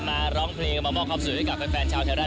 ร้องเพลงมามอบความสุขให้กับแฟนชาวไทยรัฐ